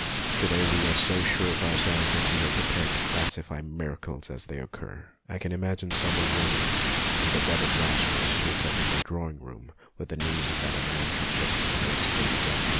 To day we are so sure of ourselves that we are pre pared to classify miracles as they occur. I can imagine some one running from the bed of Lazarus to a present day drawing room, with the news that a man had just been raised from the dead.